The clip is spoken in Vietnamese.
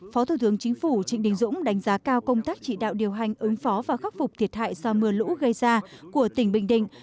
phó thủ tướng chính phủ trịnh đình dũng đánh giá cao công tác chỉ đạo điều hành ứng phó và khắc phục thiệt hại do mưa lũ gây ra của tỉnh bình định